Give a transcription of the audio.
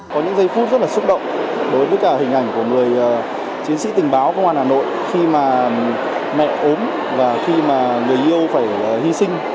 có những giây phút rất là xúc động đối với cả hình ảnh của người chiến sĩ tình báo công an hà nội khi mà mẹ ốm và khi mà người yêu phải hy sinh